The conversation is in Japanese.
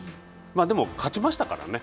でも勝ちましたからね